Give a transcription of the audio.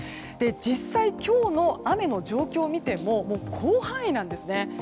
実際、今日の雨の状況を見ても広範囲なんですね。